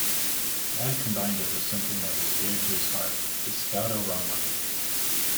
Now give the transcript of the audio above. Dad combined it with something that was dear to his heart -- the Scout-O-Rama.